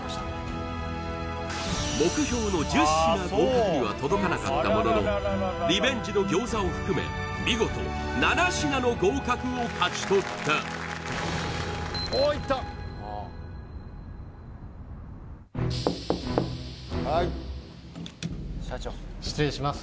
目標の１０品合格には届かなかったもののリベンジの餃子を含め見事７品の合格を勝ち取ったはい失礼します